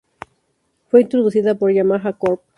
Fue introducida por Yamaha Corp.